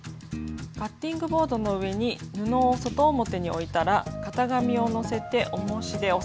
カッティングボードの上に布を外表に置いたら型紙をのせておもしで押さえます。